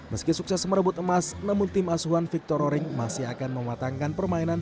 meski sukses merebut emas namun tim asuhan victor roring masih akan mematangkan permainan